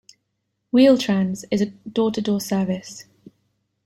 Wheel-Trans is a door-to-door service.